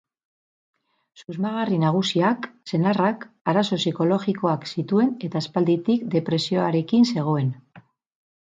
Susmagarri nagusiak, senarrak, arazo psikologikoak zituen eta aspalditik depresioarekin zegoen.